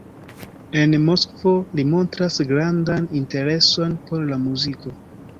En Moskvo li montras grandan intereson por la muziko.